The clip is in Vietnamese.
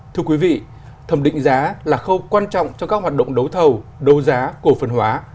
thưa quý vị thẩm định giá là khâu quan trọng cho các hoạt động đấu thầu đấu giá cổ phần hóa